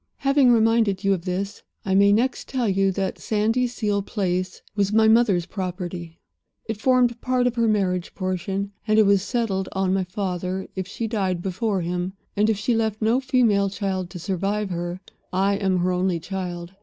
"Having reminded you of this, I may next tell you that Sandyseal Place was my mother's property. It formed part of her marriage portion, and it was settled on my father if she died before him, and if she left no female child to survive her. I am her only child.